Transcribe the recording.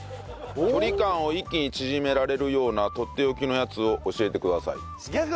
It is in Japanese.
距離感を一気に縮められるようなとっておきのやつを教えてください。